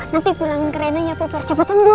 nanti pulangin ke reina ya peper coba sembuh